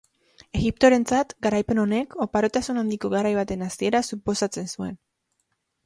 Egiptorentzat, garaipen honek, oparotasun handiko garai baten hasiera suposatzen zuen.